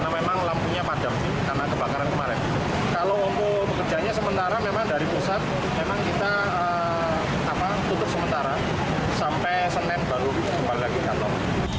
memang kita tutup sementara sampai senin baru kembali lagi ke kantor